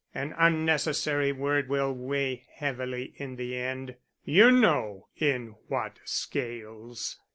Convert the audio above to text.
An unnecessary word will weigh heavily in the end. You know in what scales.